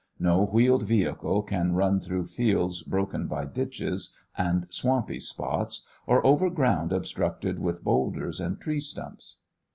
No wheeled vehicle can run through fields broken by ditches and swampy spots, or over ground obstructed with boulders and tree stumps.